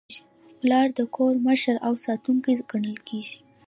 پلار د کور مشر او ساتونکی ګڼل کېږي.